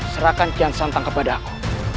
serahkan kian santang kepada allah